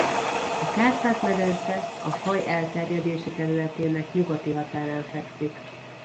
A Kárpát-medence a faj elterjedési területének nyugati határán fekszik.